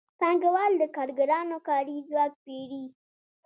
پانګوال د کارګرانو کاري ځواک پېري